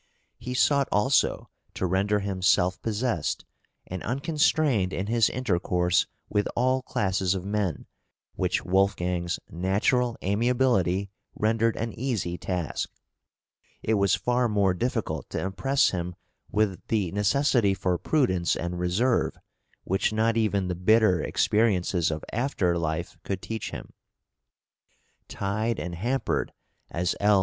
He sought also to render him self possessed and unconstrained in his intercourse with all classes of men, which Wolfgang's natural amiability rendered an easy task; it was far more difficult to impress him with the necessity for prudence and reserve, which not even the bitter experiences of after life could teach him. Tied and hampered, as L.